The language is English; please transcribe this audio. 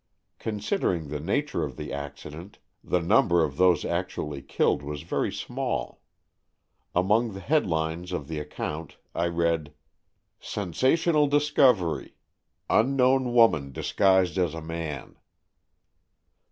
Considering the nature of the accident, the number of those actually killed was very small. Among the headlines of the account I read, "Sensational Discovery — Unknown 209 o 210 AN EXCHANGE OF SOULS Woman Disguised as a Man.